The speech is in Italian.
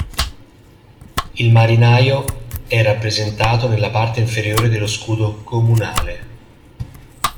Il marinaio è rappresentato nella parte inferiore dello scudo comunale.